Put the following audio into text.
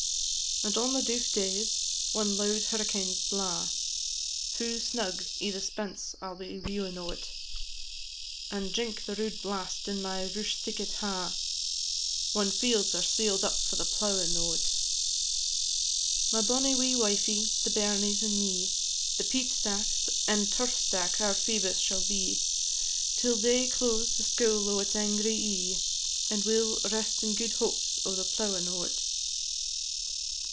And on the douf days, whan loud hurricanes blaw, Fu' snug i' the spence I 'll be viewin' o't, And jink the rude blast in my rush theekit ha', Whan fields are seal'd up from the plowin' o't. My bonny wee wifie, the bairnies, and me, The peat stack, and turf stack our Phoebus shall be, Till day close the scoul o' its angry ee, And we 'll rest in gude hopes o' the plowin' o't.